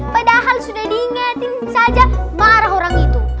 padahal sudah diingatin saja marah orang itu